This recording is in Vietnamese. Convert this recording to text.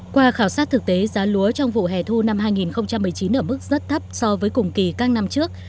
qua khảo sát thực tế giá lúa trong vụ hè thu năm hai nghìn một mươi chín ở mức rất thấp so với cùng kỳ các năm trước